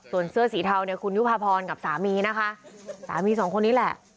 ส่วนเสื้อสีเทาเนี่ยคุณยุภาพรกับสามีนะคะสามีสองคนนี้แหละ